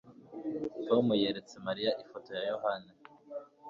Tom yeretse Mariya ifoto ya Yohana